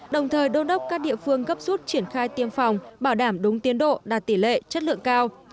đồng thời đôn đốc các địa phương gấp rút triển khai tiêm phòng bảo đảm đúng tiến độ đạt tỷ lệ chất lượng cao